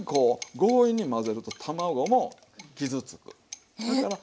強引に混ぜると卵も傷つく。